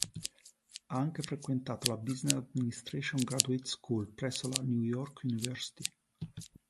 Ha anche frequentato la "Business Administration Graduate School" presso la New York University.